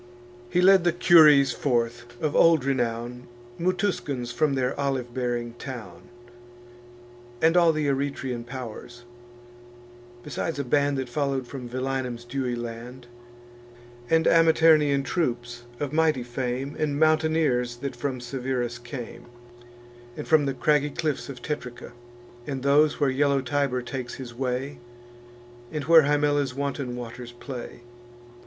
He led the Cures forth, of old renown, Mutuscans from their olive bearing town, And all th' Eretian pow'rs; besides a band That follow'd from Velinum's dewy land, And Amiternian troops, of mighty fame, And mountaineers, that from Severus came, And from the craggy cliffs of Tetrica, And those where yellow Tiber takes his way, And where Himella's wanton waters play.